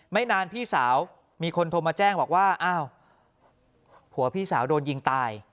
ไม่นานพี่สาวมีคนโทรมาแจ้งบอกว่าอ้าวผัวพี่สาวโดนยิงตาย